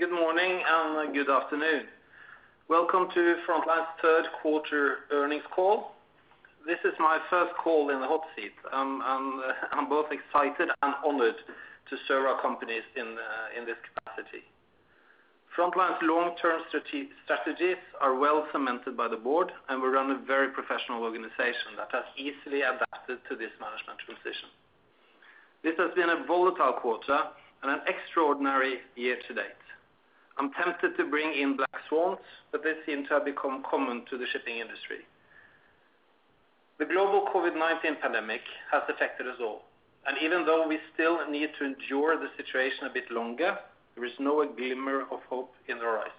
Good morning and good afternoon. Welcome to Frontline's Q3 earnings call. This is my first call in the hot seat. I'm both excited and honored to serve our companies in this capacity. Frontline's long-term strategies are well cemented by the board. We run a very professional organization that has easily adapted to this management transition. This has been a volatile quarter and an extraordinary year to date. I'm tempted to bring in black swans. They seem to have become common to the shipping industry. The global COVID-19 pandemic has affected us all. Even though we still need to endure the situation a bit longer, there is now a glimmer of hope on the horizon.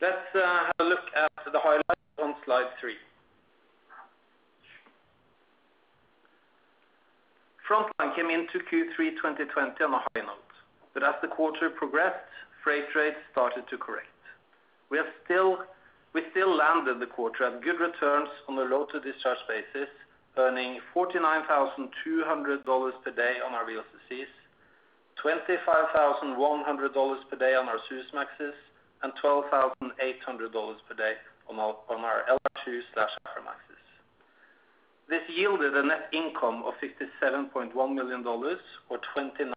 Let's have a look at the highlights on slide three. Frontline came into Q3 2020 on a high note. As the quarter progressed, freight rates started to correct. We still landed the quarter at good returns on a load to discharge basis, earning $49,200 per day on our VLCCs, $25,100 per day on our Suezmaxes, and $12,800 per day on our LR2/Aframaxes. This yielded a net income of $57.1 million, or $0.29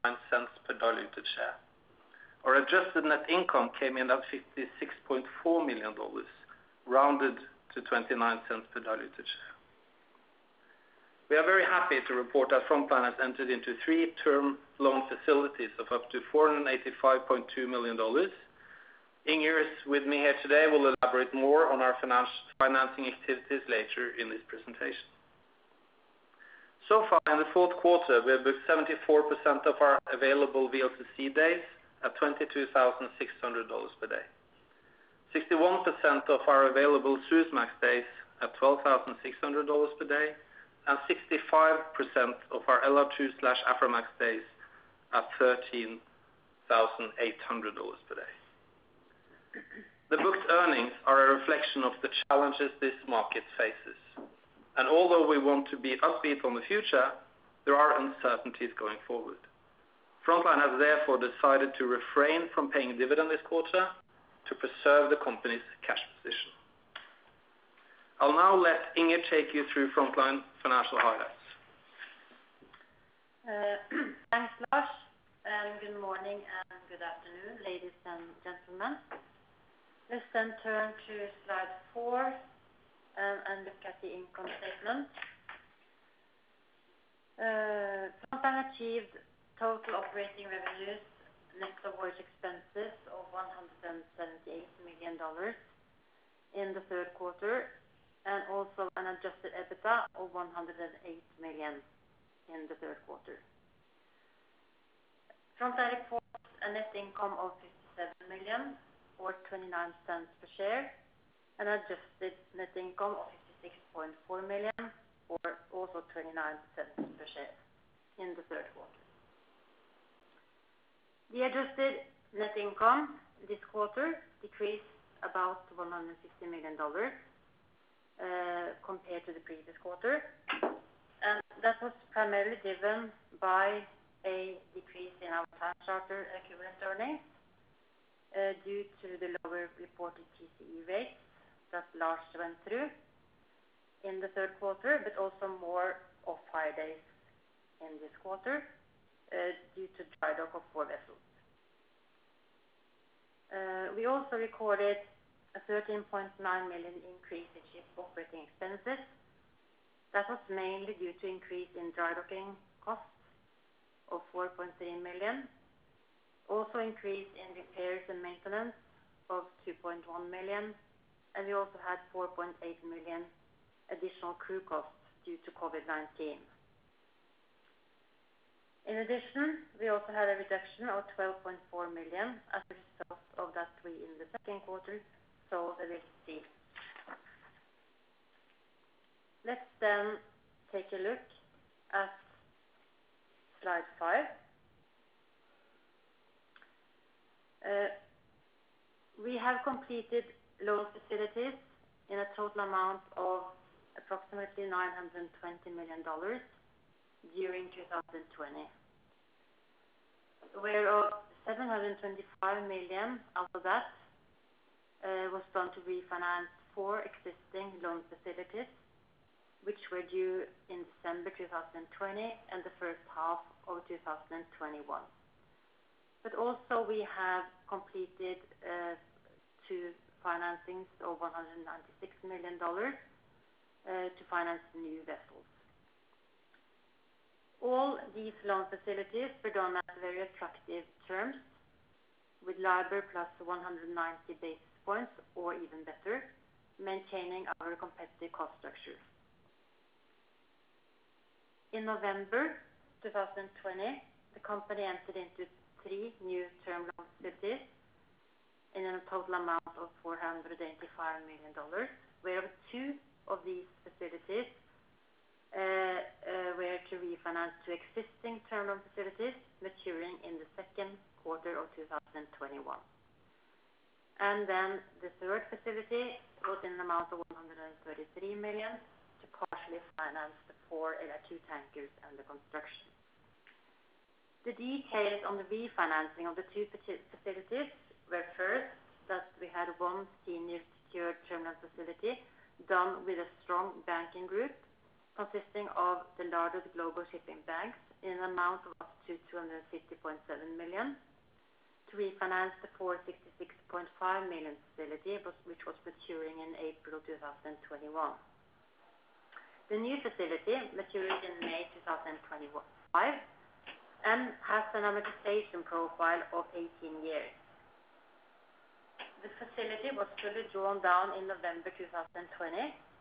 per diluted share. Our adjusted net income came in at $56.4 million, rounded to $0.29 per diluted share. We are very happy to report that Frontline has entered into three term loan facilities of up to $485.2 million. Inger is with me here today, will elaborate more on our financing activities later in this presentation. Far in the Q4, we have booked 74% of our available VLCC days at $22,600 per day. 61% of our available Suezmax days at $12,600 per day, and 65% of our LR2/Aframax days at $13,800 per day. The booked earnings are a reflection of the challenges this market faces, and although we want to be upbeat on the future, there are uncertainties going forward. Frontline has therefore decided to refrain from paying a dividend this quarter to preserve the company's cash position. I'll now let Inger take you through Frontline financial highlights. Thanks, Lars. Good morning and good afternoon, ladies and gentlemen. Let's turn to slide four and look at the income statement. Frontline achieved total operating revenues, net of voyage expenses of $178 million in the Q3, also an adjusted EBITDA of $108 million in the Q3. Frontline reports a net income of $57 million, or $0.29 per share, adjusted net income of $56.4 million, or also $0.29 per share in the Q3. The adjusted net income this quarter decreased about $150 million compared to the previous quarter. That was primarily driven by a decrease in our time charter equivalent earnings due to the lower reported TCE rates that Lars went through in the Q3, also more off-hire days in this quarter due to drydock of four vessels. We also recorded a $13.9 million increase in ship operating expenses. That was mainly due to increase in drydocking costs of $4.3 million, increase in repairs and maintenance of $2.1 million, and we also had $4.8 million additional crew costs due to COVID-19. We also had a reduction of $12.4 million as a result of that three in the Q2. We'll see. Let's take a look at slide five. We have completed loan facilities in a total amount of approximately $920 million during 2020, $725 million out of that was going to refinance four existing loan facilities, which were due in December 2020 and the H1 of 2021. Also we have completed two financings of $196 million to finance new vessels. All these loan facilities were done at very attractive terms with LIBOR plus 190 basis points or even better, maintaining our competitive cost structure. In November 2020, the company entered into three new term loan facilities in a total amount of $485 million, where two of these facilities were to refinance two existing term loan facilities maturing in the Q2 of 2021. The third facility was in an amount of $133 million to partially finance the four LR2 tankers under construction. The details on the refinancing of the two facilities were first, that we had one senior secured term loan facility done with a strong banking group consisting of the largest global shipping banks in an amount of up to $250.7 million to refinance the former $66.5 million facility which was maturing in April 2021. The new facility matures in May 2025 and has an amortization profile of 18 years. The facility was fully drawn down in November 2020,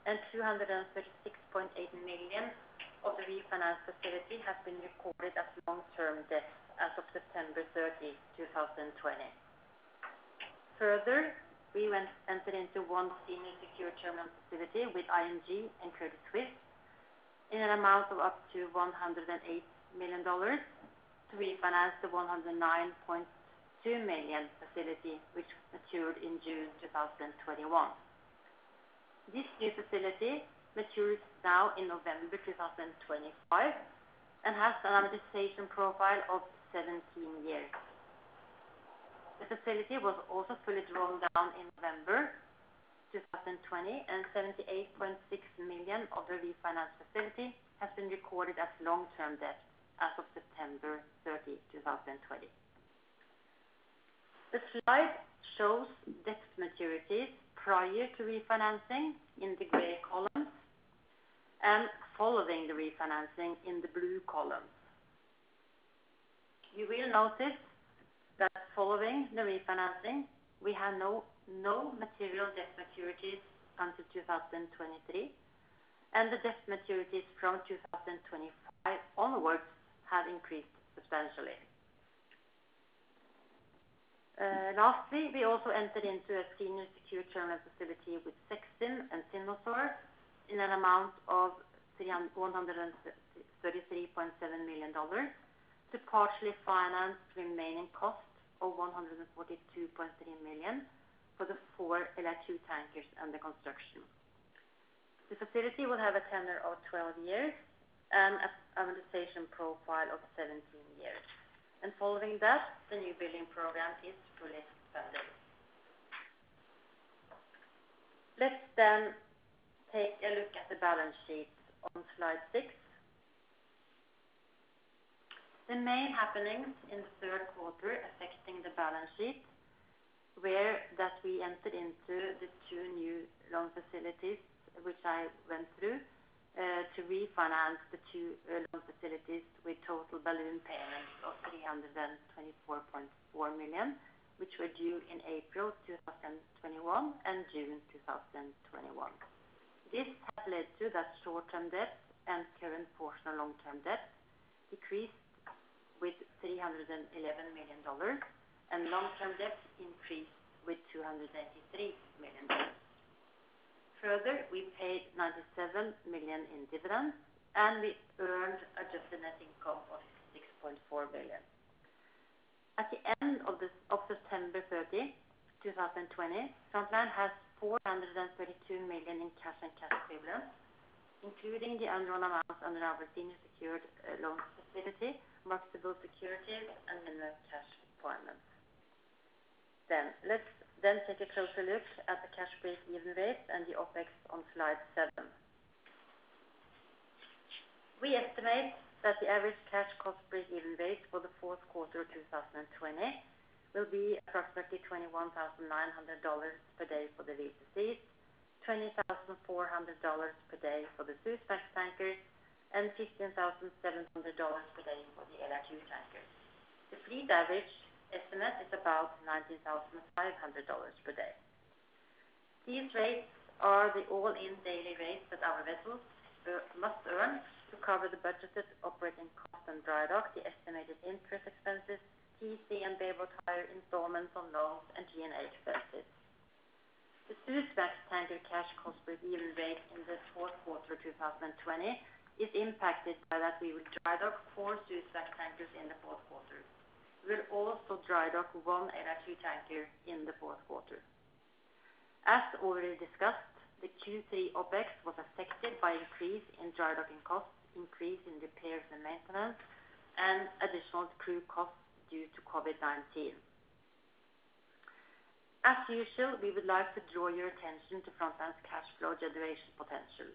and $236.8 million of the refinanced facility has been recorded as long-term debt as of September 30th, 2020. Further, we entered into one senior secured term loan facility with ING and Credit Suisse in an amount of up to $108 million to refinance the $109.2 million facility which matured in June 2021. This new facility matures now in November 2025 and has an amortization profile of 17 years. The facility was also fully drawn down in November 2020, and $78.6 million of the refinanced facility has been recorded as long-term debt as of September 30th, 2020. The slide shows debt maturities prior to refinancing in the gray columns and following the refinancing in the blue columns. You will notice that following the refinancing, we have no material debt maturities until 2023, and the debt maturities from 2025 onwards have increased substantially. Lastly, we also entered into a senior secured term loan facility with SEB and Synnor in an amount of $133.7 million to partially finance the remaining cost of $142.3 million for the four LR2 tankers under construction. The facility will have a tenor of 12 years and an amortization profile of 17 years. Following that, the new building program is fully funded. Let's take a look at the balance sheet on slide six. The main happenings in the Q3 affecting the balance sheet were that we entered into the two new loan facilities, which I went through, to refinance the two loan facilities with total balloon payments of $324.4 million, which were due in April 2021 and June 2021. This has led to that short-term debt and current portion of long-term debt decreased with $311 million, and long-term debt increased with $283 million. Further, we paid $97 million in dividends, and we earned adjusted net income of $6.4 million. At the end of September 30th, 2020, Frontline had $432 million in cash and cash equivalents, including the undrawn amounts under our senior secured loan facility, marketable securities, and minimum cash requirement. Let's take a closer look at the cash break-even rate and the OpEx on slide seven. We estimate that the average cash cost break-even rate for the Q4 of 2020 will be approximately $21,900 per day for the VLCC, $20,400 per day for the Suezmax tankers, and $15,700 per day for the LR2 tankers. The fleet average estimate is about $19,500 per day. These rates are the all-in daily rates that our vessels must earn to cover the budgeted operating costs and dry dock, the estimated interest expenses, TCE payable higher installments on loans and G&A expenses. The Suezmax tanker cash cost break-even rate in the Q4 of 2020 is impacted by that we would dry dock four Suezmax tankers in the Q4. We'll also dry dock one LR2 tanker in the Q4. As already discussed, the Q3 OpEx was affected by increase in dry docking costs, increase in repairs and maintenance, and additional crew costs due to COVID-19. As usual, we would like to draw your attention to Frontline's cash flow generation potential.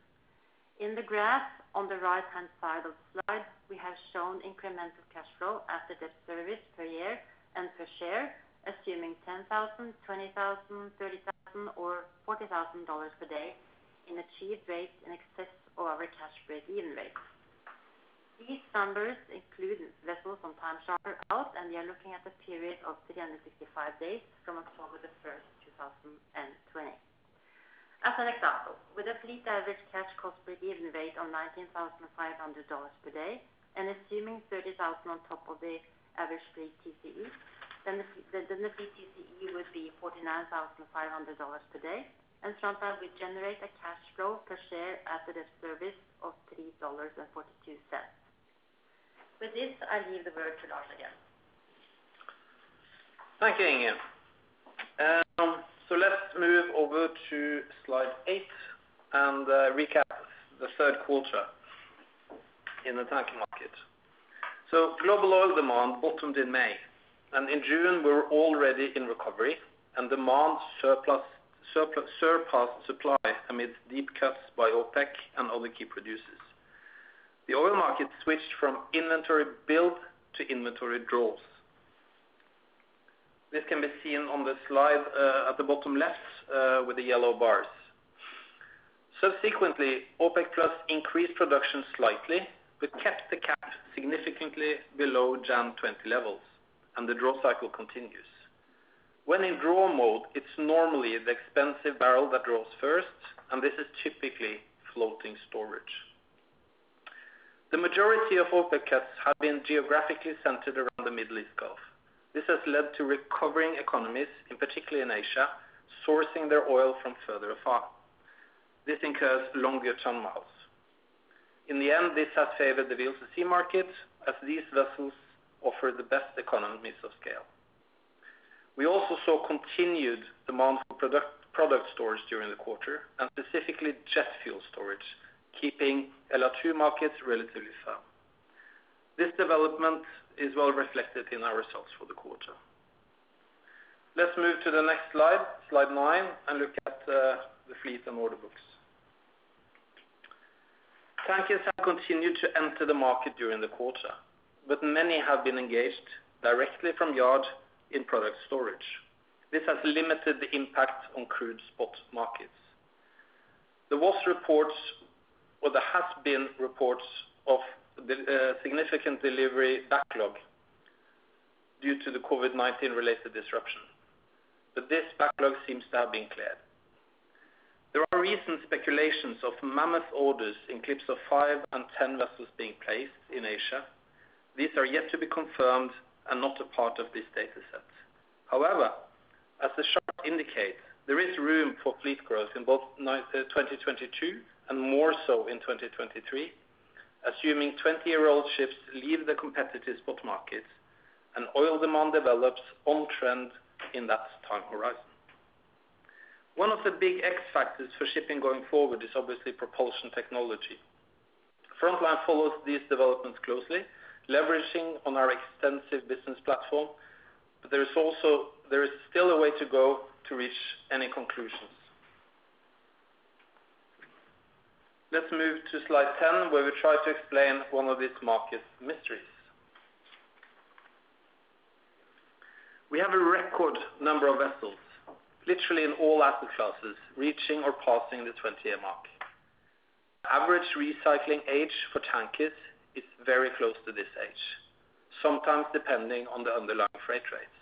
In the graph on the right-hand side of the slide, we have shown incremental cash flow after debt service per year and per share, assuming $10,000, $20,000, $30,000, or $40,000 per day in achieved rates in excess of our cash break-even rates. These numbers include vessels on time charter out. We are looking at a period of 365 days from October 1st, 2020. As an example, with a fleet average cash cost break-even rate of $19,500 per day and assuming $30,000 on top of the average fleet TCE, then the fleet TCE would be $49,500 per day, and Frontline would generate a cash flow per share after debt service of $3.42. With this, I leave the word to Lars again. Thank you, Inger. Let's move over to slide eight and recap the Q3 in the tanker market. Global oil demand bottomed in May, and in June we were already in recovery and demand surpassed supply amidst deep cuts by OPEC and other key producers. The oil market switched from inventory build to inventory draws. This can be seen on the slide at the bottom left with the yellow bars. Subsequently, OPEC+ increased production slightly but kept the cap significantly below Jan 2020 levels and the draw cycle continues. When in draw mode, it's normally the expensive barrel that draws first, and this is typically floating storage. The majority of OPEC cuts have been geographically centered around the Middle East Gulf. This has led to recovering economies, in particular in Asia, sourcing their oil from further afar. This incurs longer ton-miles. In the end, this has favored the VLCC market as these vessels offer the best economies of scale. We also saw continued demand for product storage during the quarter, and specifically jet fuel storage, keeping LR2 markets relatively firm. This development is well reflected in our results for the quarter. Let's move to the next slide nine, and look at the fleet and order books. Tankers have continued to enter the market during the quarter, but many have been engaged directly from yard in product storage. This has limited the impact on crude spot markets. There has been reports of a significant delivery backlog due to the COVID-19 related disruption, but this backlog seems to have been cleared. There are recent speculations of mammoth orders in clips of five and 10 vessels being placed in Asia. These are yet to be confirmed and not a part of this data set. As the chart indicates, there is room for fleet growth in both 2022 and more so in 2023, assuming 20-year-old ships leave the competitive spot markets and oil demand develops on trend in that time horizon. Frontline follows these developments closely, leveraging on our extensive business platform, there is still a way to go to reach any conclusions. Let's move to slide 10, where we try to explain one of these market mysteries. We have a record number of vessels, literally in all asset classes, reaching or passing the 20-year mark. Average recycling age for tankers is very close to this age, sometimes depending on the underlying freight rates.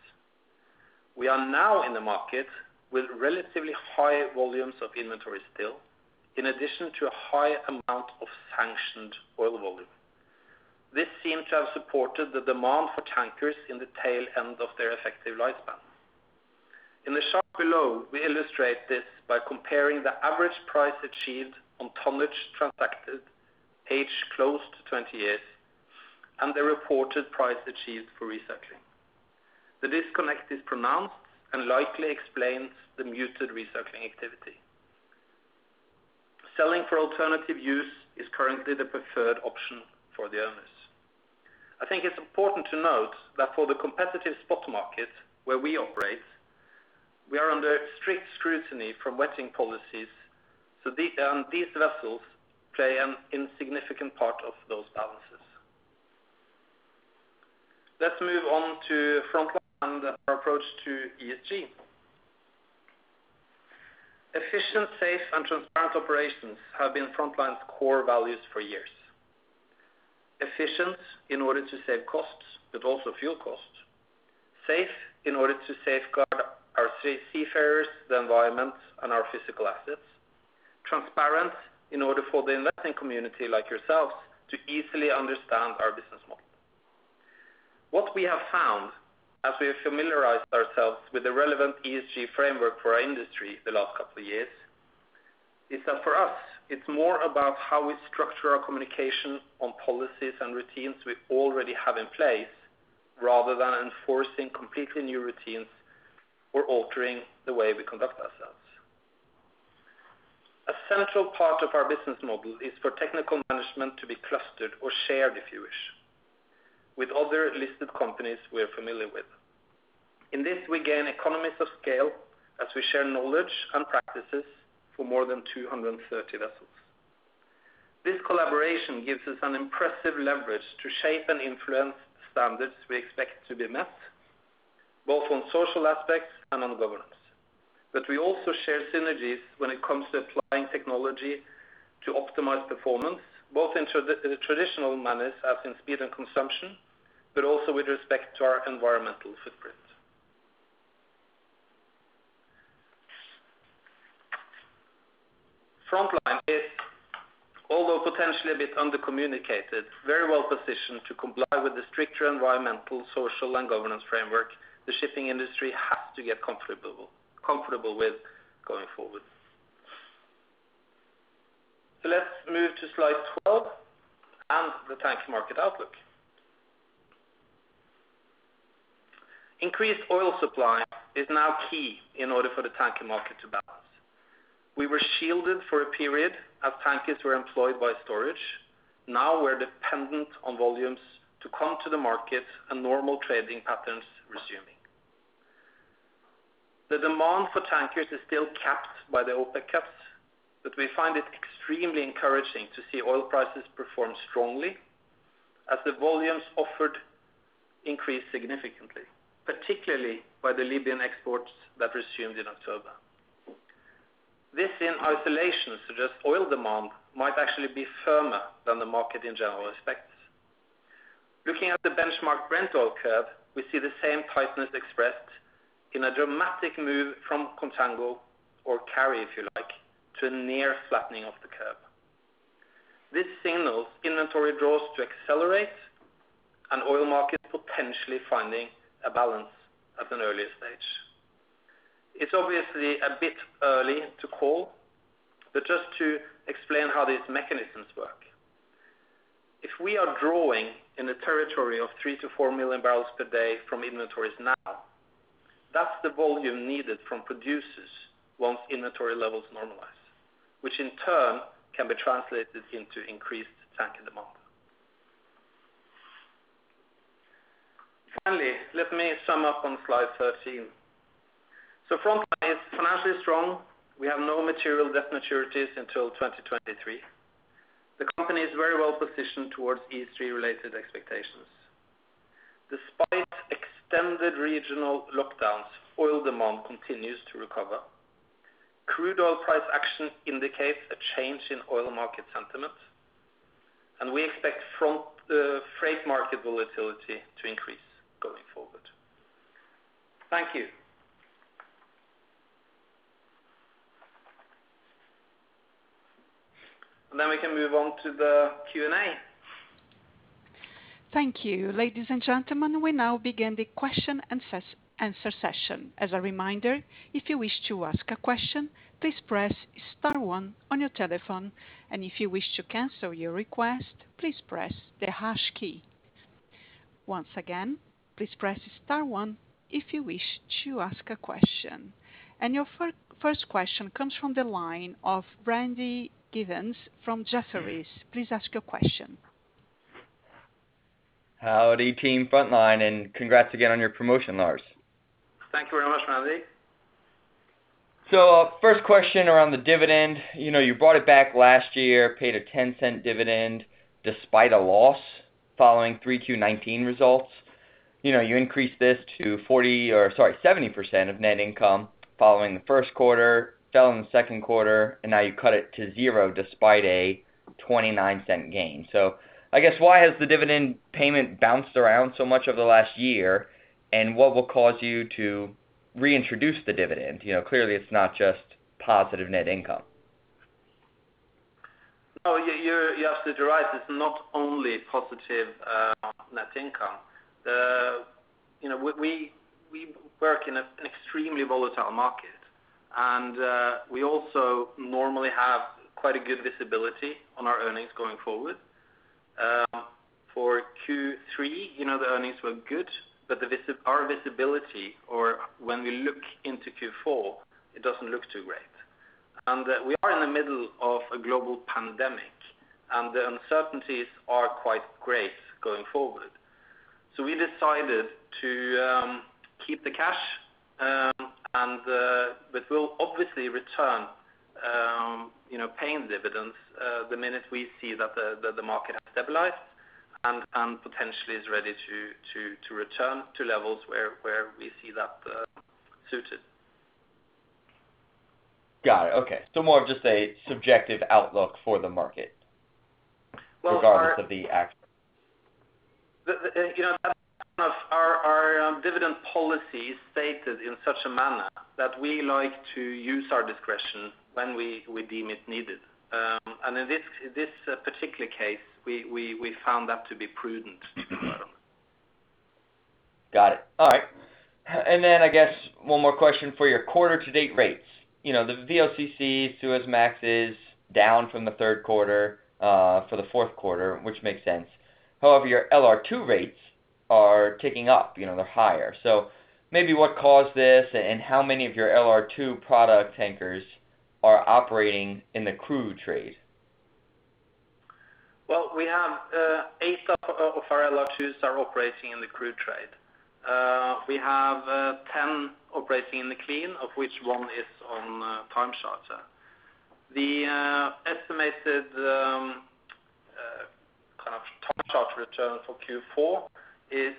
We are now in the market with relatively high volumes of inventory still, in addition to a high amount of sanctioned oil volume. This seemed to have supported the demand for tankers in the tail end of their effective lifespan. In the chart below, we illustrate this by comparing the average price achieved on tonnage transacted aged close to 20 years and the reported price achieved for recycling. The disconnect is pronounced and likely explains the muted recycling activity. Selling for alternative use is currently the preferred option for the owners. I think it's important to note that for the competitive spot market where we operate, we are under strict scrutiny from vetting policies, and these vessels play an insignificant part of those balances. Let's move on to Frontline and our approach to ESG. Efficient, safe and transparent operations have been Frontline's core values for years. Efficient in order to save costs, but also fuel costs. Safe in order to safeguard our seafarers, the environment, and our physical assets. Transparent in order for the investing community like yourselves to easily understand our business model. What we have found as we have familiarized ourselves with the relevant ESG framework for our industry the last couple of years, is that for us it's more about how we structure our communication on policies and routines we already have in place, rather than enforcing completely new routines or altering the way we conduct ourselves. A central part of our business model is for technical management to be clustered or shared, if you wish, with other listed companies we are familiar with. In this, we gain economies of scale as we share knowledge and practices for more than 230 vessels. This collaboration gives us an impressive leverage to shape and influence the standards we expect to be met, both on social aspects and on governance. We also share synergies when it comes to applying technology to optimize performance, both in the traditional manners as in speed and consumption, but also with respect to our environmental footprint. Frontline is, although potentially a bit under-communicated, very well positioned to comply with the stricter environmental, social, and governance framework the shipping industry has to get comfortable with going forward. Let's move to slide 12 and the tanker market outlook. Increased oil supply is now key in order for the tanker market to balance. We were shielded for a period as tankers were employed by storage. Now we're dependent on volumes to come to the market and normal trading patterns resuming. The demand for tankers is still capped by the OPEC cuts. We find it extremely encouraging to see oil prices perform strongly as the volumes offered increase significantly, particularly by the Libyan exports that resumed in October. This, in isolation, suggests oil demand might actually be firmer than the market in general expects. Looking at the benchmark Brent oil curve, we see the same tightness expressed in a dramatic move from contango or carry, if you like, to a near flattening of the curve. This signals inventory draws to accelerate and oil markets potentially finding a balance at an earlier stage. It's obviously a bit early to call, just to explain how these mechanisms work. If we are drawing in a territory of 3 million to 4 million barrels per day from inventories now, that's the volume needed from producers once inventory levels normalize, which in turn can be translated into increased tanker demand. Let me sum up on slide 13. Frontline is financially strong. We have no material debt maturities until 2023. The company is very well positioned towards ESG-related expectations. Despite extended regional lockdowns, oil demand continues to recover. Crude oil price action indicates a change in oil market sentiment, and we expect freight market volatility to increase going forward. Thank you. We can move on to the Q&A. Thank you. Ladies and gentlemen, we now begin the question and answer session. As a reminder, if you wish to ask a question, please press star one on your telephone. If you wish to cancel your request, please press the hash key. Once again, please press star one if you wish to ask a question. Your first question comes from the line of Randy Giveans from Jefferies. Please ask your question. Howdy, team Frontline, and congrats again on your promotion, Lars. Thank you very much, Randy. First question around the dividend. You brought it back last year, paid a $0.10 dividend despite a loss following 3Q 2019 results. You increased this to 40% or, sorry, 70% of net income following the Q1, fell in the Q2, and now you cut it to zero despite a $0.29 gain. I guess why has the dividend payment bounced around so much over the last year, and what will cause you to reintroduce the dividend? Clearly, it's not just positive net income. No, you absolutely right. It's not only positive net income. We work in an extremely volatile market, and we also normally have quite a good visibility on our earnings going forward. For Q3, the earnings were good, but our visibility or when we look into Q4, it doesn't look too great. We are in the middle of a global pandemic, and the uncertainties are quite great going forward. We decided to keep the cash, but we'll obviously return paying dividends the minute we see that the market has stabilized and potentially is ready to return to levels where we see that suited. Got it. Okay. More of just a subjective outlook for the market. Our dividend policy is stated in such a manner that we like to use our discretion when we deem it needed. In this particular case, we found that to be prudent to do so. Got it. All right. I guess one more question for your quarter to date rates. The VLCC Suezmaxes down from the Q3, for the Q4, which makes sense. However, your LR2 rates are ticking up, they're higher. Maybe what caused this, and how many of your LR2 product tankers are operating in the crude trade? Well, we have eight of our LR2s are operating in the crude trade. We have 10 operating in the clean, of which one is on time charter. The estimated kind of time charter return for Q4 is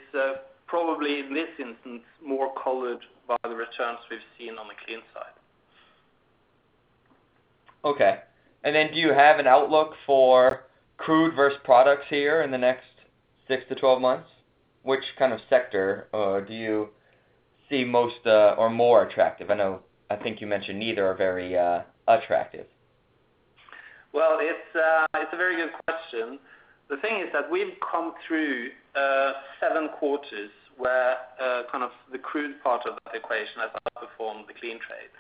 probably, in this instance, more colored by the returns we've seen on the clean side. Okay. Do you have an outlook for crude versus products here in the next 6-12 months? Which kind of sector do you see most or more attractive? I think you mentioned neither are very attractive. Well, it's a very good question. The thing is that we've come through seven quarters where the crude part of that equation has outperformed the clean trade.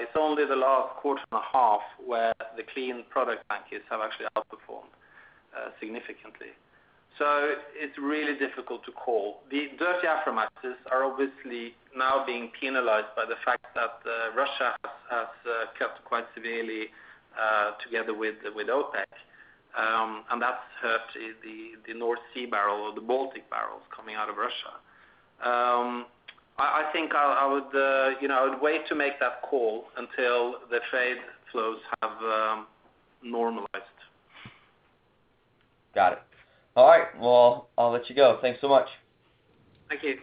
It's only the last quarter and a half where the clean product tankers have actually outperformed, significantly. It's really difficult to call. The dirty Aframaxes are obviously now being penalized by the fact that Russia has cut quite severely, together with OPEC. That's hurt the North Sea barrel or the Baltic barrels coming out of Russia. I think I would wait to make that call until the trade flows have normalized. Got it. All right. Well, I'll let you go. Thanks so much. Thank you.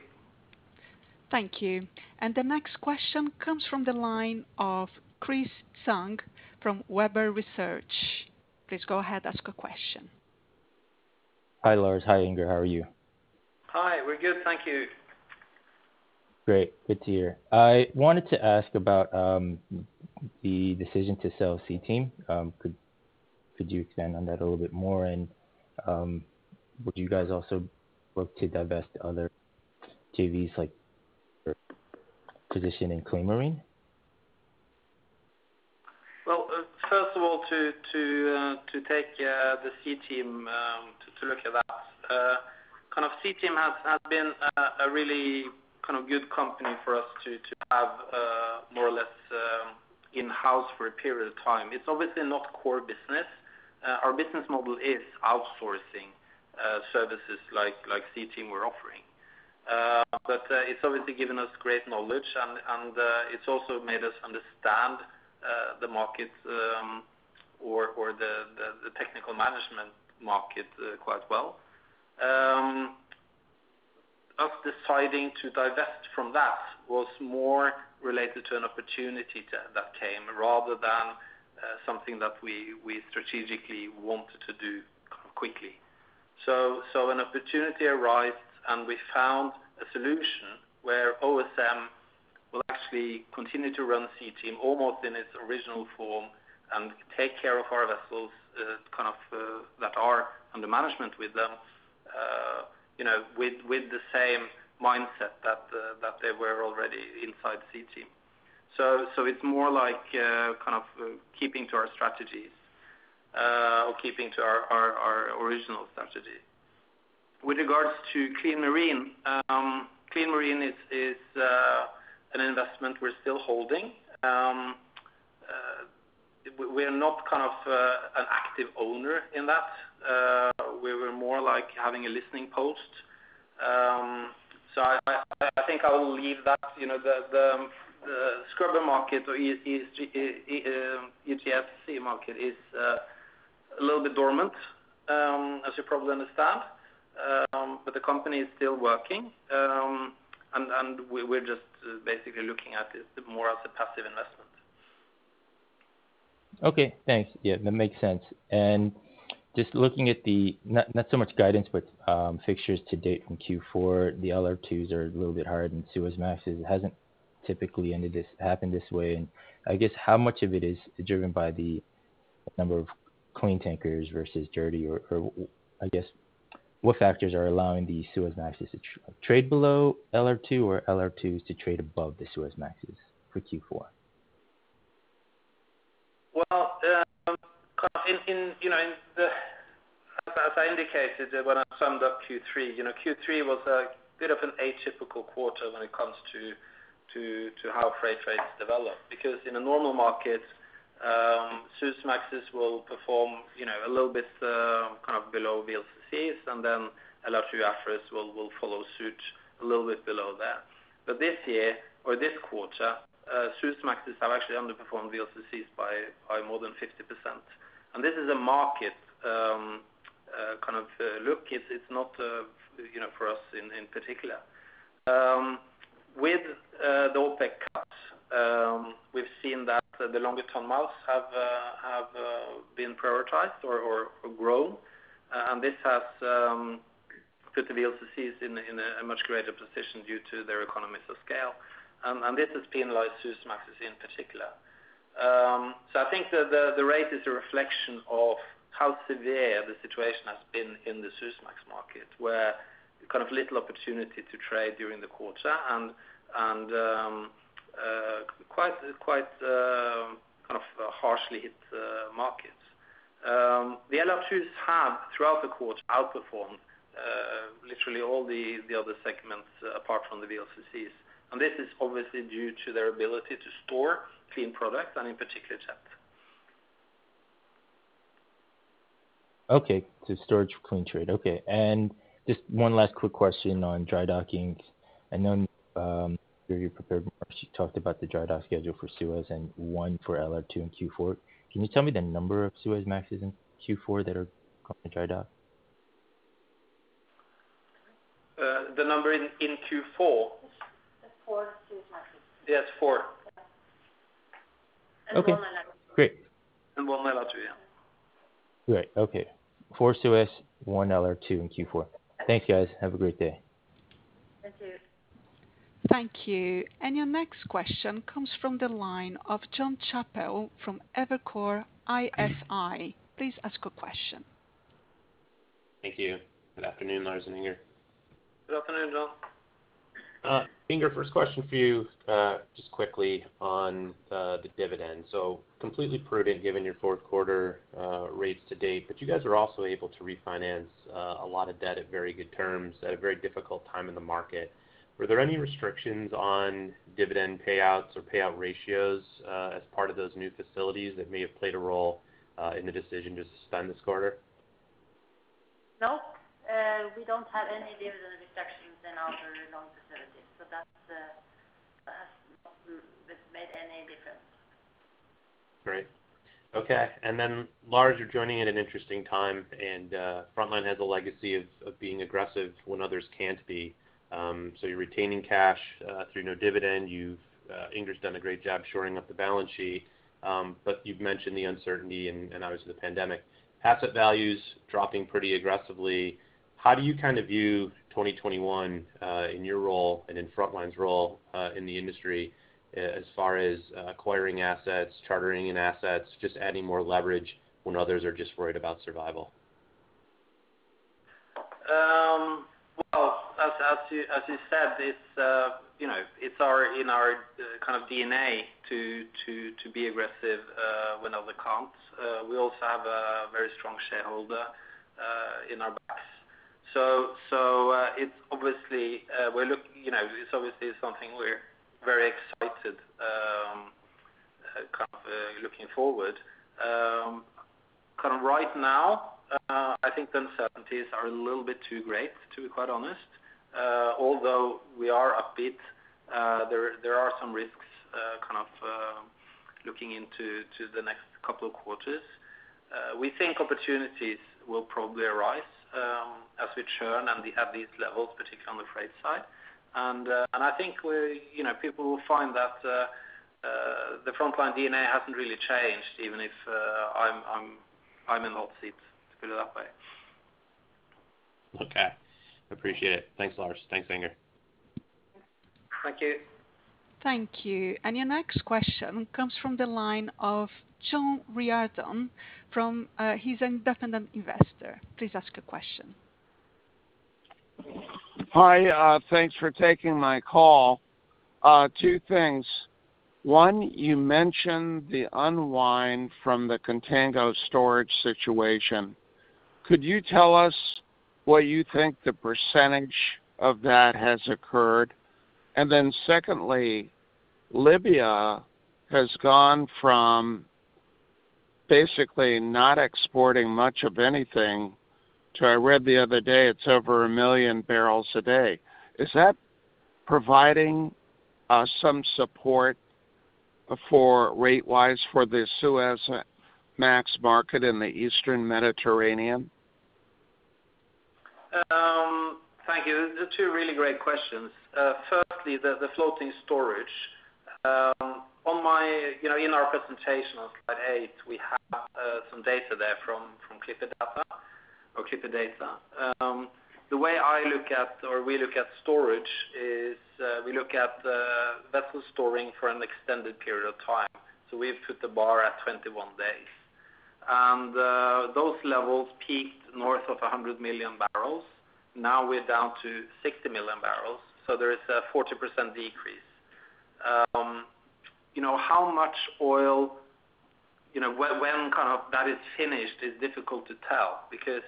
Thank you. The next question comes from the line of Chris Tsung from Weber Research. Please go ahead, ask a question. Hi, Lars. Hi, Inger. How are you? Hi, we're good. Thank you. Great. Good to hear. I wanted to ask about the decision to sell SeaTeam Management. Could you expand on that a little bit more and would you guys also look to divest other JVs like your position in Clean Marine? Well, first of all to take the SeaTeam, to look at that. SeaTeam has been a really good company for us to have more or less in-house for a period of time. It's obviously not core business. Our business model is outsourcing services like SeaTeam were offering. It's obviously given us great knowledge and it's also made us understand the markets, or the technical management market quite well. Us deciding to divest from that was more related to an opportunity that came rather than something that we strategically wanted to do quickly. An opportunity arised, and we found a solution where OSM will actually continue to run SeaTeam almost in its original form and take care of our vessels that are under management with them, with the same mindset that they were already inside SeaTeam. It's more like keeping to our strategies or keeping to our original strategy. With regards to Clean Marine. Clean Marine is an investment we're still holding. We're not an active owner in that. We were more like having a listening post. I think I will leave that. The scrubber market or EGCS market is a little bit dormant, as you probably understand. The company is still working. We're just basically looking at it more as a passive investment. Okay, thanks. Yeah, that makes sense. Just looking at the, not so much guidance but fixtures to date in Q4, the LR2s are a little bit hard and Suezmaxes hasn't typically happened this way and I guess how much of it is driven by the number of clean tankers versus dirty or I guess what factors are allowing the Suezmaxes to trade below LR2 or LR2s to trade above the Suezmaxes for Q4? Well, as I indicated when I summed up Q3. Q3 was a bit of an atypical quarter when it comes to how freight rates develop because in a normal market, Suezmaxes will perform a little bit below VLCCs and then LR2 Afras will follow suit a little bit below that. This year or this quarter, Suezmaxes have actually underperformed VLCCs by more than 50%. This is a market look. It's not for us in particular. With the OPEC cuts, we've seen that the longer ton-miles have been prioritized or grown. This has put the VLCCs in a much greater position due to their economies of scale. This has penalized Suezmaxes in particular. I think that the rate is a reflection of how severe the situation has been in the Suezmax market where kind of little opportunity to trade during the quarter and quite harshly hit the markets. The LR2s have, throughout the quarter, outperformed literally all the other segments apart from the VLCCs. This is obviously due to their ability to store clean products and in particular jet. Okay. Storage for clean trade. Okay. Just one last quick question on dry docking. I know, when you prepared, you talked about the dry dock schedule for Suez and one for LR2 in Q4. Can you tell me the number of Suezmaxes in Q4 that are going to dry dock? The number in Q4? Four Suezmaxes. Yes, four. One LR2. one LR2, yeah. Great. Okay. Four Suez, one LR2 in Q4. Thank you, guys. Have a great day. Thank you. Thank you. Your next question comes from the line of Jon Chappell from Evercore ISI. Please ask a question. Thank you. Good afternoon, Lars and Inger. Good afternoon, Jon. Inger, first question for you, just quickly on the dividend. Completely prudent given your Q4 rates to date, but you guys are also able to refinance a lot of debt at very good terms at a very difficult time in the market. Were there any restrictions on dividend payouts or payout ratios as part of those new facilities that may have played a role in the decision to suspend this quarter? No, we don't have any dividend restrictions in our loan facilities. That has not made any difference. Great. Okay. Lars, you're joining at an interesting time, and Frontline has a legacy of being aggressive when others can't be. You're retaining cash, through no dividend. Inger's done a great job shoring up the balance sheet. You've mentioned the uncertainty and obviously the pandemic. Asset values dropping pretty aggressively. How do you view 2021, in your role and in Frontline's role, in the industry as far as acquiring assets, chartering in assets, just adding more leverage when others are just worried about survival? Well, as you said, it's in our kind of DNA to be aggressive when others can't. We also have a very strong shareholder in our backs. It's obviously something we're very excited kind of looking forward. Right now, I think the uncertainties are a little bit too great, to be quite honest. Although we are upbeat, there are some risks kind of looking into the next couple of quarters. We think opportunities will probably arise, as we churn and at these levels, particularly on the freight side. I think people will find that the Frontline DNA hasn't really changed even if I'm in hot seat, let's put it that way. Okay. Appreciate it. Thanks, Lars. Thanks, Inger. Thank you. Thank you. Your next question comes from the line of John Riordan from, he's an independent investor. Please ask a question. Hi. Thanks for taking my call. Two things. One, you mentioned the unwind from the contango storage situation. Could you tell us what you think the percentage of that has occurred? Secondly, Libya has gone from basically not exporting much of anything to, I read the other day, it's over 1 million barrels a day. Is that providing some support for rate-wise for the Suezmax market in the Eastern Mediterranean? Thank you. Two really great questions. Firstly, the floating storage. In our presentation on slide eight, we have some data there from Clipper Data. The way I look at, or we look at storage is, we look at vessel storing for an extended period of time. So we've put the bar at 21 days. Those levels peaked north of 100 million barrels. Now we're down to 60 million barrels, so there is a 40% decrease. How much oil, when that is finished is difficult to tell because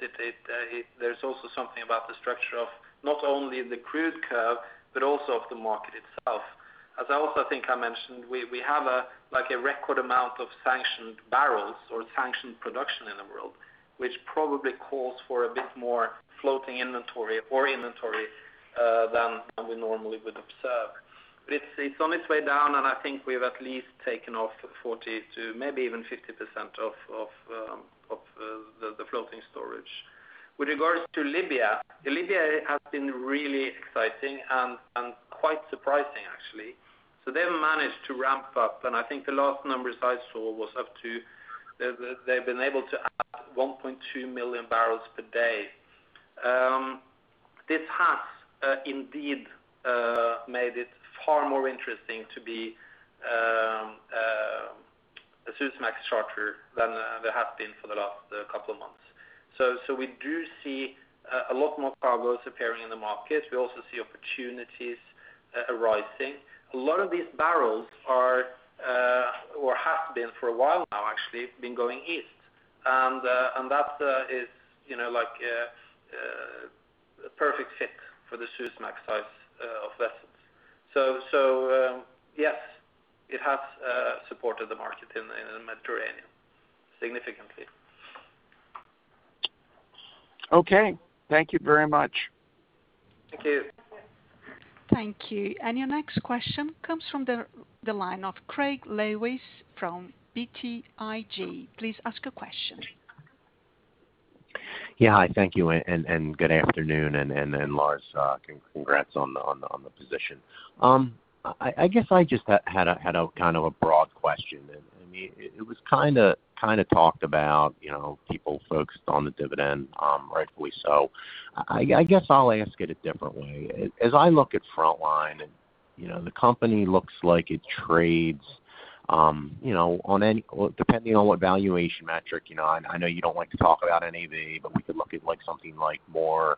there's also something about the structure of not only the crude curve, but also of the market itself. As I also think I mentioned, we have a record amount of sanctioned barrels or sanctioned production in the world, which probably calls for a bit more floating inventory or inventory, than we normally would observe. It's on its way down, and I think we've at least taken off 40% to maybe even 50% of the floating storage. With regards to Libya has been really exciting and quite surprising, actually. They've managed to ramp up, and I think the last numbers I saw was up to, they've been able to add 1.2 million barrels per day. This has indeed made it far more interesting to be a Suezmax charter than there has been for the last couple of months. We do see a lot more cargoes appearing in the market. We also see opportunities arising. A lot of these barrels are, or have been for a while now actually, been going east. That is a perfect fit for the Suezmax size of vessels. Yes, it has supported the market in the Mediterranean significantly. Okay. Thank you very much. Thank you. Thank you. Your next question comes from the line of Greg Lewis from BTIG. Please ask a question. Yeah. Thank you, and good afternoon. Lars, congrats on the position. I guess I just had a kind of a broad question and, it was kind of talked about, people focused on the dividend, rightfully so. I guess I'll ask it a differently. As I look at Frontline and, the company looks like it trades. Depending on what valuation metric, I know you don't like to talk about NAV, but we could look at something more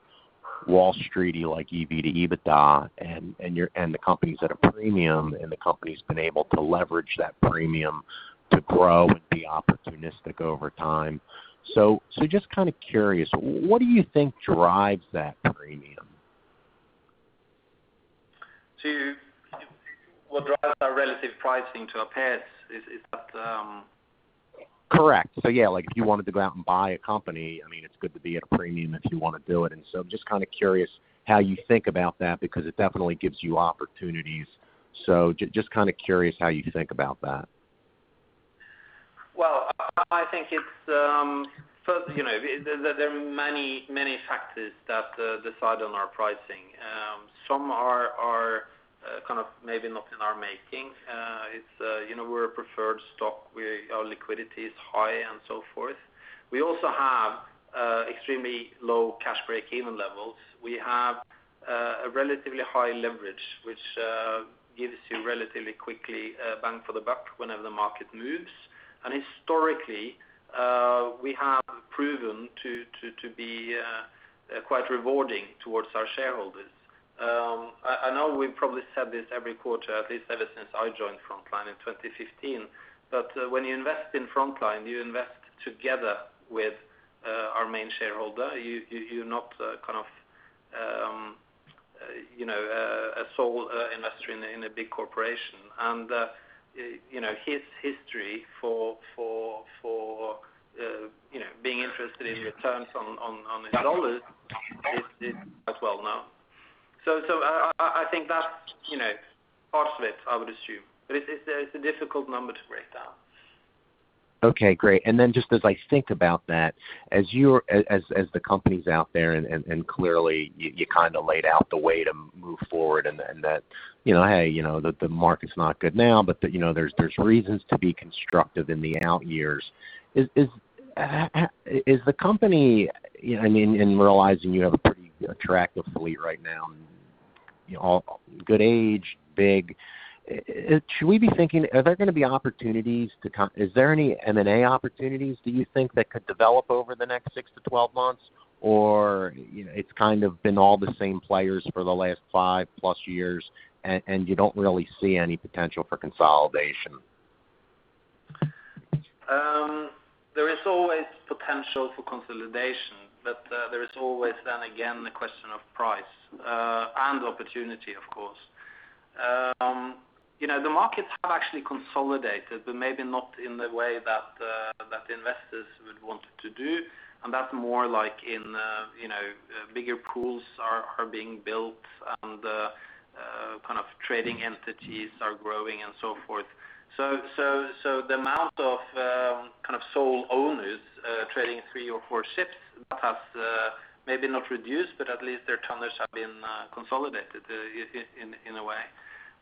Wall Street-y, like EV to EBITDA, and the company's at a premium, and the company's been able to leverage that premium to grow and be opportunistic over time. Just curious, what do you think drives that premium? To what drives our relative pricing to our peers, is that- Correct. If you wanted to go out and buy a company, it's good to be at a premium if you want to do it. Just curious how you think about that, because it definitely gives you opportunities. Just curious how you think about that. Well, I think there are many factors that decide on our pricing. Some are maybe not in our making. We're a preferred stock. Our liquidity is high and so forth. We also have extremely low cash break-even levels. We have a relatively high leverage, which gives you relatively quickly a bang for the buck whenever the market moves. Historically, we have proven to be quite rewarding towards our shareholders. I know we've probably said this every quarter, at least ever since I joined Frontline in 2015, but when you invest in Frontline, you invest together with our main shareholder. You're not a sole investor in a big corporation. His history for being interested in returns on his dollars is as well known. I think that's part of it, I would assume, but it's a difficult number to break down. Okay, great. Just as I think about that, as the company's out there, and clearly you laid out the way to move forward and that, "Hey, the market's not good now, but there's reasons to be constructive in the out years." Is the company, and realizing you have a pretty attractive fleet right now, all good age, big, should we be thinking, are there going to be opportunities to come? Is there any M&A opportunities, do you think, that could develop over the next six to 12 months? It's been all the same players for the last five-plus years, and you don't really see any potential for consolidation? There is always potential for consolidation, but there is always, then again, the question of price and opportunity, of course. The markets have actually consolidated, but maybe not in the way that the investors would want to do, and that's more like in bigger pools are being built and the trading entities are growing and so forth. The amount of sole owners trading three or four ships has maybe not reduced, but at least their tonnage have been consolidated in a way.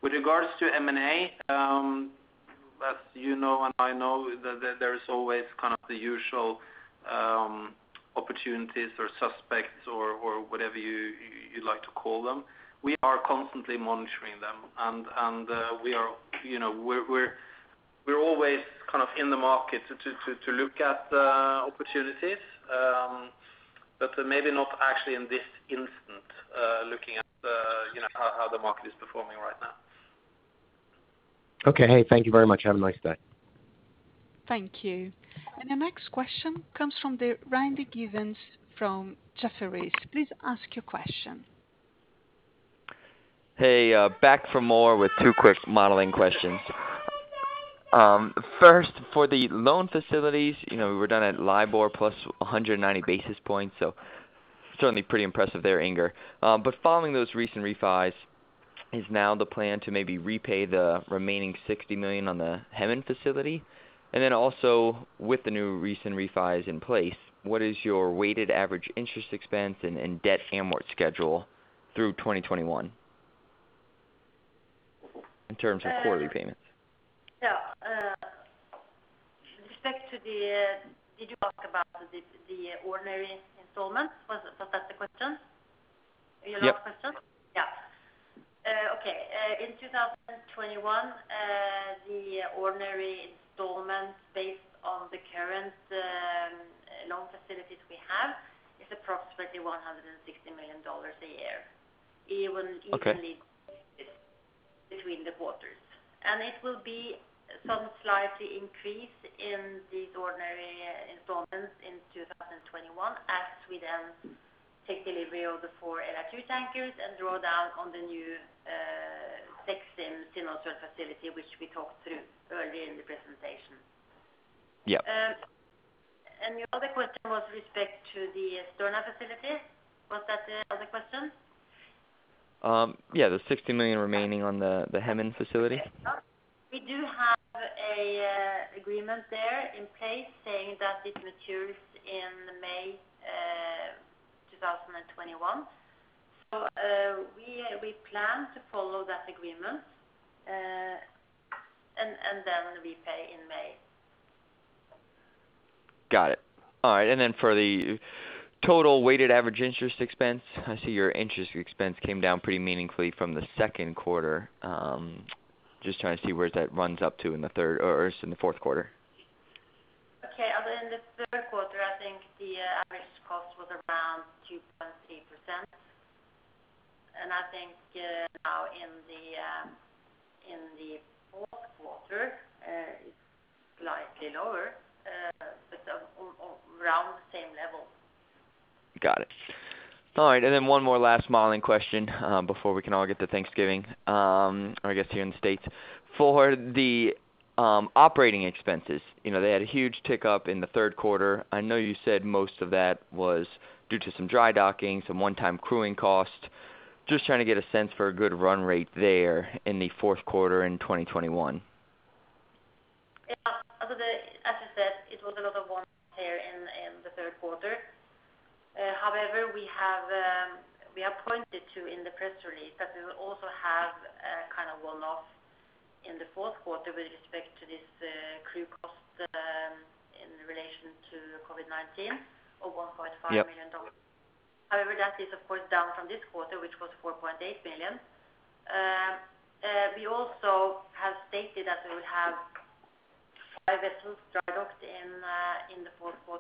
With regards to M&A, as you know and I know, there's always kind of the usual opportunities or suspects or whatever you like to call them. We are constantly monitoring them, and we're always in the market to look at opportunities, but maybe not actually in this instant, looking at how the market is performing right now. Okay. Hey, thank you very much. Have a nice day. Thank you. The next question comes from Randy Giveans from Jefferies. Please ask your question. Hey, back for more with two quick modeling questions. First, for the loan facilities, we were done at LIBOR plus 190 basis points, so certainly pretty impressive there, Inger. Following those recent refis, is now the plan to maybe repay the remaining $60 million on the Hemen facility? Also, with the new recent refis in place, what is your weighted average interest expense and debt amort schedule through 2021, in terms of quarter repayments? Yeah. Did you ask about the ordinary installments? Was that the question? Your last question? Yep. Yeah. Okay. In 2021, the ordinary installments based on the current loan facilities we have is approximately $160 million a year. Okay. Evenly split between the quarters. It will be some slightly increase in these ordinary installments in 2021 as we then take delivery of the four LR2 tankers and draw down on the new six in SuMi TRUST facility, which we talked through earlier in the presentation. Yeah. Your other question was respect to the Sterna facility, was that the other question? Yeah, the $60 million remaining on the Hemen facility. We do have an agreement there in place saying that it matures in May 2021. We plan to follow that agreement, and then repay in May. Got it. All right, then for the total weighted average interest expense, I see your interest expense came down pretty meaningfully from the Q2. Just trying to see where that runs up to in the Q4. Okay. In the Q3, I think the average cost was around 2.3%, and I think now in the Q4, it's slightly lower, but around the same level. Got it. All right. One more last modeling question before we can all get to Thanksgiving, I guess, here in the U.S. For the operating expenses, they had a huge tick up in the Q3. I know you said most of that was due to some dry docking, some one-time crewing costs. Just trying to get a sense for a good run rate there in the Q4 in 2021. Yeah. As I said, it was a lot of one-time there in the Q3. We have pointed to in the press release that we will also have a kind of one-off in the Q4 with respect to this crew cost in relation to COVID-19 of $1.5 million. Yep. That is, of course, down from this quarter, which was $4.8 million. We also have stated that we will have five vessels dry docked in the Q4.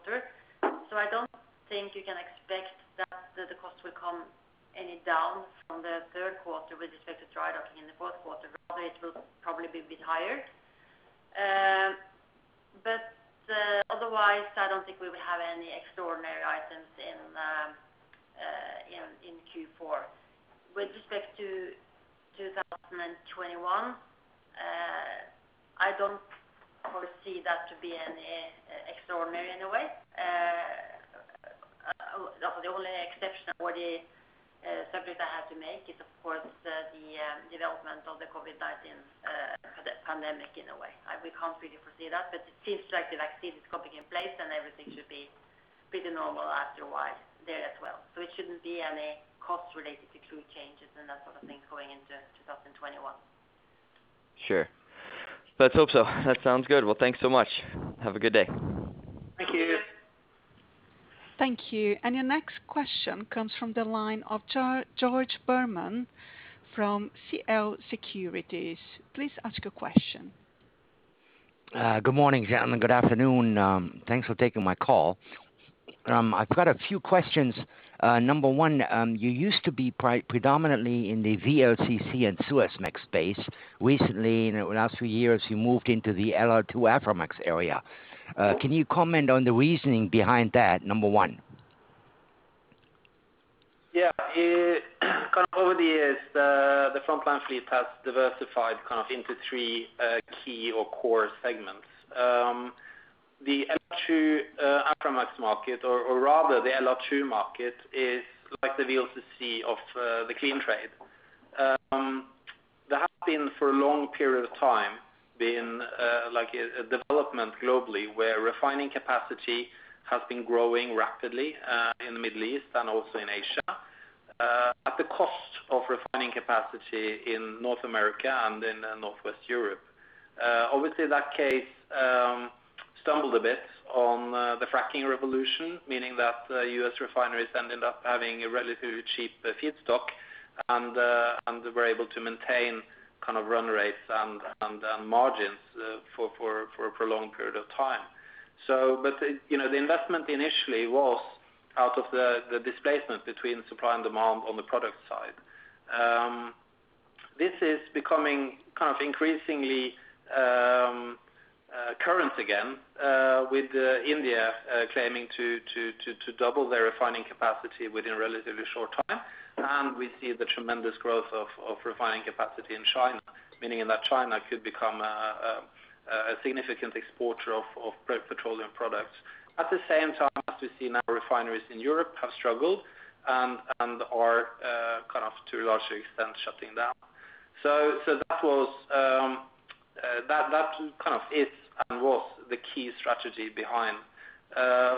I don't think you can expect that the cost will come any down from the Q3 with respect to dry docking in the Q4. Rather, it will probably be a bit higher. Otherwise, I don't think we will have any extraordinary items in Q4. With respect to 2021, I don't foresee that to be extraordinary in a way. The only exception or the separate I have to make is, of course, the development of the COVID-19 pandemic in a way. We can't really foresee that, but it seems like the vaccine is coming in place, and everything should be pretty normal after a while there as well. It shouldn't be any cost related to crew changes and that sort of thing going into 2021. Sure. Let's hope so. That sounds good. Thanks so much. Have a good day. Thank you. Thank you. Your next question comes from the line of George Berman from CL Securities. Please ask your question. Good morning, gentlemen. Good afternoon. Thanks for taking my call. I have got a few questions. Number one, you used to be predominantly in the VLCC and Suezmax space. Recently, in the last few years, you moved into the LR2 Aframax area. Can you comment on the reasoning behind that, number one? Yeah. Kind of over the years, the Frontline fleet has diversified into three key or core segments. The LR2 Aframax market, or rather the LR2 market, is like the VLCC of the clean trade. There has been, for a long period of time, been a development globally where refining capacity has been growing rapidly in the Middle East and also in Asia at the cost of refining capacity in North America and in Northwest Europe. Obviously, that case stumbled a bit on the fracking revolution, meaning that U.S. refineries ended up having a relatively cheap feedstock and were able to maintain kind of run rates and margins for a long period of time. The investment initially was out of the displacement between supply and demand on the product side. This is becoming kind of increasingly current again, with India claiming to double their refining capacity within a relatively short time. We see the tremendous growth of refining capacity in China, meaning that China could become a significant exporter of petroleum products. At the same time, as we see now, refineries in Europe have struggled and are kind of to a large extent shutting down. That kind of is and was the key strategy behind.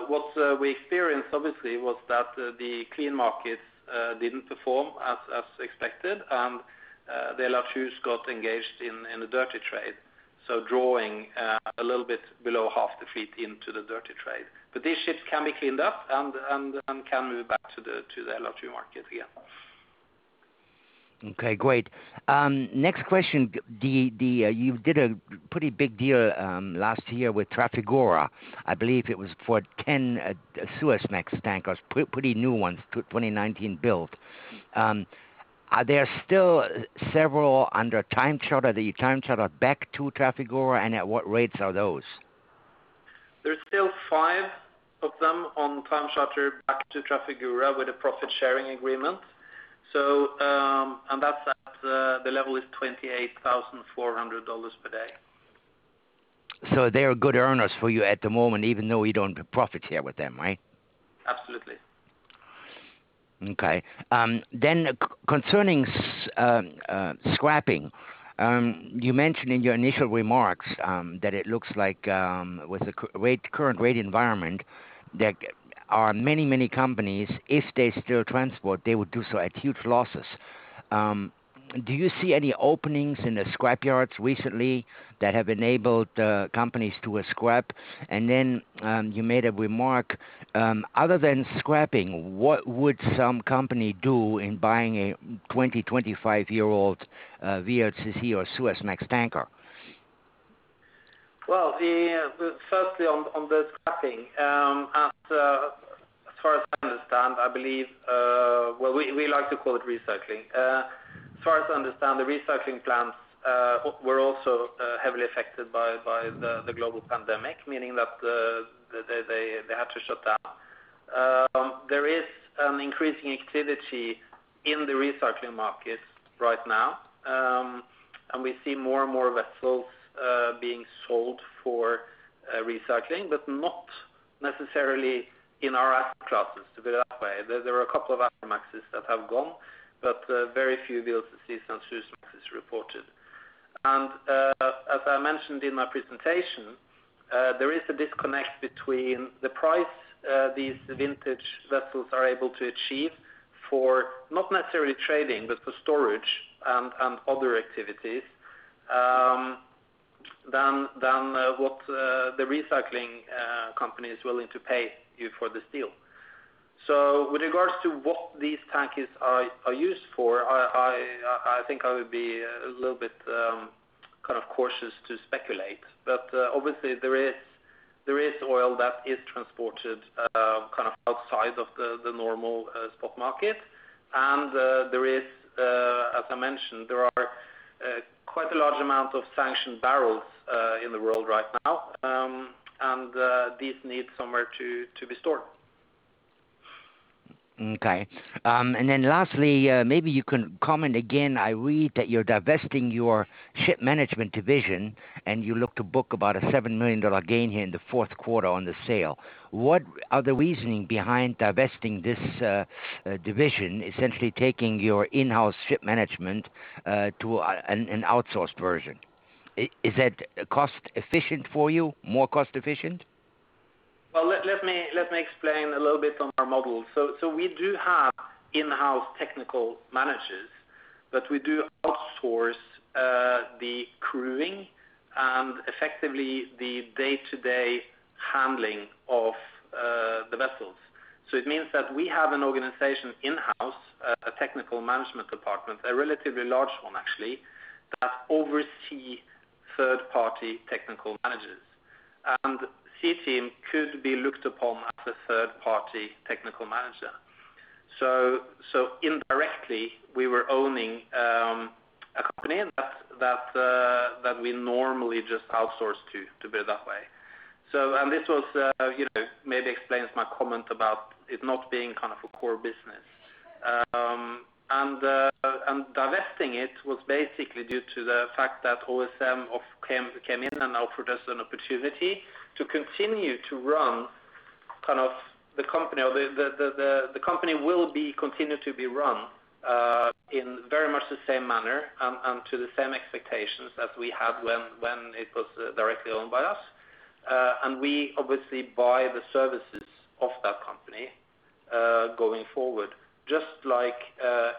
What we experienced, obviously, was that the clean markets didn't perform as expected, and the LR2s got engaged in the dirty trade, so drawing a little bit below half the fleet into the dirty trade. These ships can be cleaned up and can move back to the LR2 market again. Okay, great. Next question. You did a pretty big deal last year with Trafigura. I believe it was for 10 Suezmax tankers, pretty new ones, 2019 built. Are there still several under time charter that you time charter back to Trafigura, and at what rates are those? There's still five of them on time charter back to Trafigura with a profit-sharing agreement. That's at the level is $28,400 per day. They are good earners for you at the moment, even though you don't profit share with them, right? Absolutely. Okay. Concerning scrapping. You mentioned in your initial remarks that it looks like with the current rate environment. There are many companies, if they still transport, they would do so at huge losses. Do you see any openings in the scrapyards recently that have enabled companies to scrap? You made a remark, other than scrapping, what would some company do in buying a 20, 25-year-old VLCC or Suezmax tanker? Well, firstly on the scrapping, as far as I understand, we like to call it recycling. As far as I understand, the recycling plants were also heavily affected by the global pandemic, meaning that they had to shut down. There is an increasing activity in the recycling market right now, and we see more and more vessels being sold for recycling, but not necessarily in our asset classes, to put it that way. There are a couple of Aframaxes that have gone, but very few VLCCs and Suezmaxes reported. As I mentioned in my presentation, there is a disconnect between the price these vintage vessels are able to achieve for not necessarily trading, but for storage and other activities than what the recycling company is willing to pay you for the steel. With regards to what these tankers are used for, I think I would be a little bit cautious to speculate. Obviously there is oil that is transported outside of the normal spot market. As I mentioned, there are quite a large amount of sanctioned barrels in the world right now, and these need somewhere to be stored. Okay. Lastly, maybe you can comment again. I read that you're divesting your ship management division, and you look to book about a $7 million gain here in the Q4 on the sale. What are the reasoning behind divesting this division, essentially taking your in-house ship management to an outsourced version? Is that cost efficient for you, more cost efficient? Well, let me explain a little bit on our model. We do have in-house technical managers, but we do outsource the crewing and effectively the day-to-day handling of the vessels. It means that we have an organization in-house, a technical management department, a relatively large one actually, that oversee third-party technical managers. SeaTeam could be looked upon as a third-party technical manager. Indirectly, we were owning a company that we normally just outsource to put it that way. This maybe explains my comment about it not being a core business. Divesting it was basically due to the fact that OSM came in and offered us an opportunity to continue to run the company. The company will continue to be run in very much the same manner and to the same expectations as we had when it was directly owned by us. We obviously buy the services of that company going forward, just like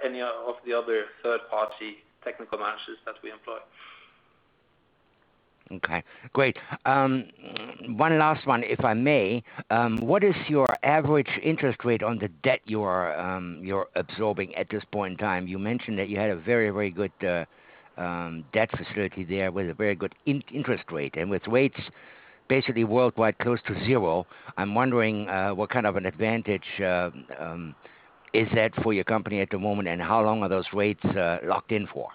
any of the other third-party technical managers that we employ. Okay, great. One last one, if I may. What is your average interest rate on the debt you're absorbing at this point in time? You mentioned that you had a very good debt facility there with a very good interest rate. With rates basically worldwide close to zero, I'm wondering what kind of an advantage is that for your company at the moment, and how long are those rates locked in for?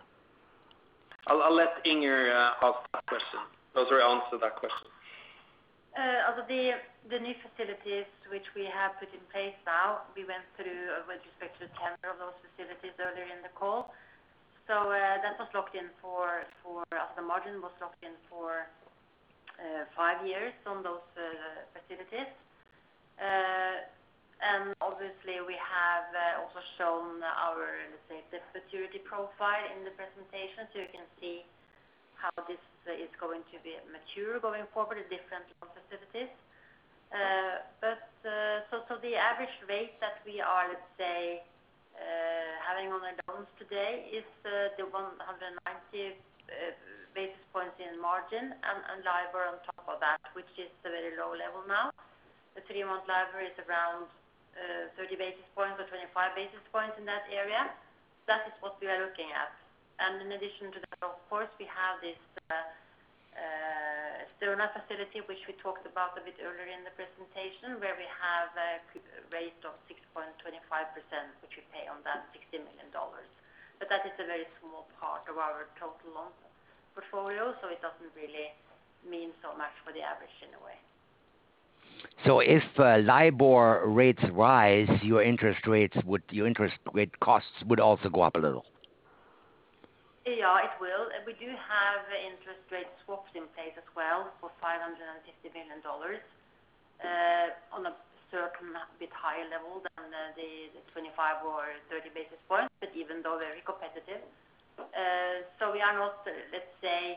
I'll let Inger answer that question. The new facilities which we have put in place now, we went through with respect to the tenor of those facilities earlier in the call. That was locked in for, as the margin was locked in for five years on those facilities. Obviously we have also shown our, let's say, debt maturity profile in the presentation, so you can see how this is going to mature going forward at different facilities. The average rate that we are, let's say, having on our loans today is the 190 basis points in margin and LIBOR on top of that, which is a very low level now. The 3-month LIBOR is around 30 basis points or 25 basis points in that area. That is what we are looking at. In addition to that, of course, we have this Sterna facility, which we talked about a bit earlier in the presentation, where we have a rate of 6.25%, which we pay on that $60 million. That is a very small part of our total loan portfolio, so it doesn't really mean so much for the average in a way. If LIBOR rates rise, your interest rate costs would also go up a little. Yeah, it will. We do have interest rate swaps in place as well for $550 million on a certain bit higher level than the 25 or 30 basis points, but even though very competitive. We are not, let's say,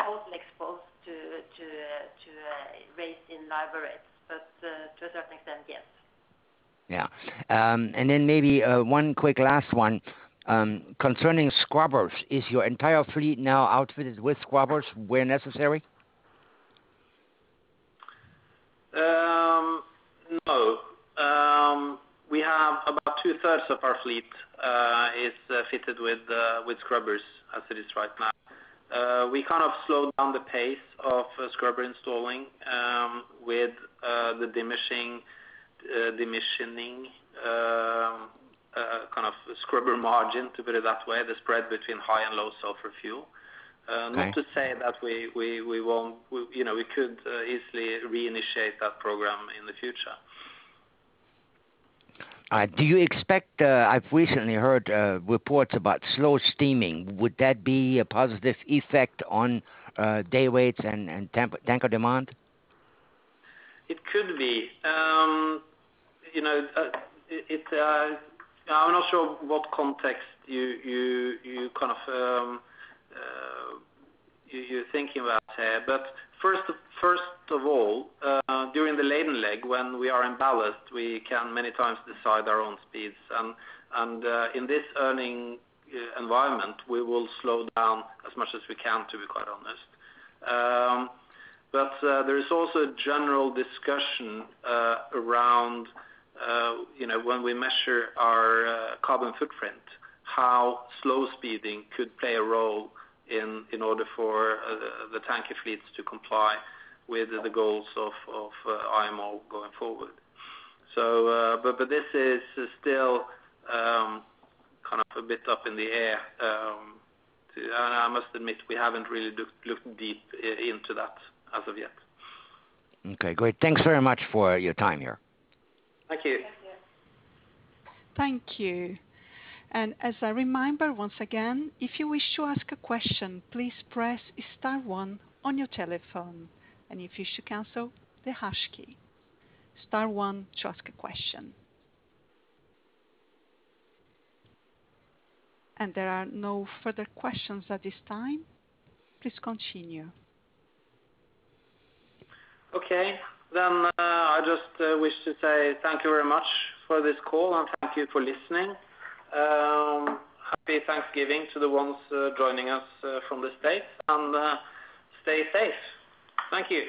totally exposed to rates in LIBOR rates, but to a certain extent, yes. Yeah. Maybe one quick last one. Concerning scrubbers, is your entire fleet now outfitted with scrubbers where necessary? No. We have about two-thirds of our fleet is fitted with scrubbers as it is right now. We kind of slowed down the pace of scrubber installing with the diminishing decommissioning, kind of scrubber margin, to put it that way, the spread between high and low sulfur fuel. Okay. Not to say that we could easily reinitiate that program in the future. All right. I've recently heard reports about slow steaming. Would that be a positive effect on day rates and tanker demand? It could be. I'm not sure what context you're thinking about here. First of all, during the laden leg, when we are in ballast, we can many times decide our own speeds. In this earning environment, we will slow down as much as we can, to be quite honest. There is also a general discussion around when we measure our carbon footprint, how slow speeding could play a role in order for the tanker fleets to comply with the goals of IMO going forward. This is still kind of a bit up in the air. I must admit we haven't really looked deep into that as of yet. Okay, great. Thanks very much for your time here. Thank you. Thank you. As a reminder, once again, if you wish to ask a question, please press star one on your telephone, and if you wish to cancel, the hash key. Star one to ask a question. There are no further questions at this time. Please continue. Okay, I just wish to say thank you very much for this call, and thank you for listening. Happy Thanksgiving to the ones joining us from the U.S. Stay safe. Thank you.